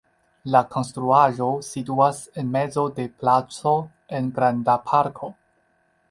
La konstruaĵo situas en mezo de placo en granda parko.